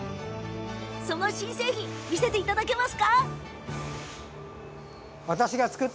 その新製品見せていただけますか？